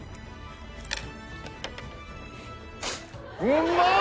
うまっ！